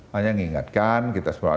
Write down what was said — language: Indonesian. hanya mengingatkan kita semua